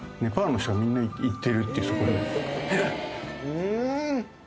うん！